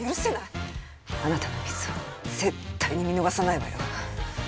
あなたのミスは絶対に見逃さないわよ。